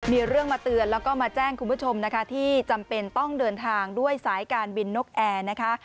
มีเรื่องมาเตือนแล้วก็มาแจ้งคุณผู้ชมนะคะที่จำเป็นต้องเดินทางด้วยสายการบินนกแอร์นะคะ